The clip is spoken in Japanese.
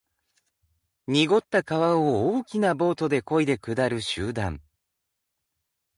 濁った川を大きなボートで漕いで下る集団。